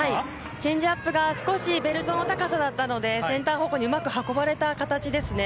チェンジアップが少しベルトの高さだったのでセンター方向にうまく運ばれた形ですね。